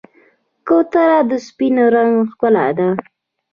کوتره د سپین رنګ ښکلا ده.